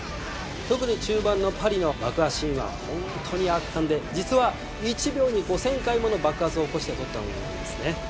特に中盤のパリの爆破シーンはホントに圧巻で実は１秒に５０００回もの爆発を起こして撮ったものなんですね。